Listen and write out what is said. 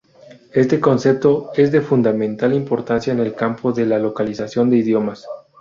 Este concepto es de fundamental importancia en el campo de la localización de idiomas.